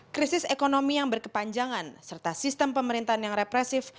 krisis ekonomi yang berkepanjangan serta sistem pemerintahan yang represif